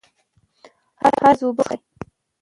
هره ورځ اوبه وڅښئ.